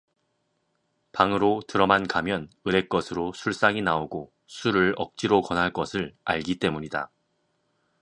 방으로 들어만 가면 으레껏으로 술상이 나오고 술을 억지로 권할 것을 알기 때문이다.